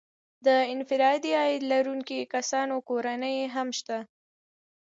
د انفرادي عاید لرونکو کسانو کورنۍ هم شته